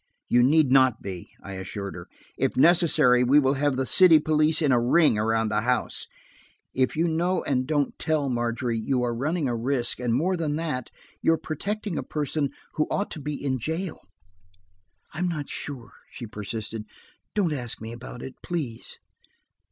"You need not be," I assured her "If necessary we will have the city police in a ring around the house. If you know and don't tell, Margery, you are running a risk, and more than that, you are protecting a person who ought to be in jail." "I'm not sure," she persisted. "Don't ask me about it, please."